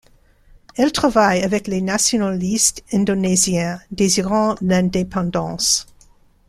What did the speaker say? Elles travaillaient avec les nationalistes indonésiens désirant l'indépendance.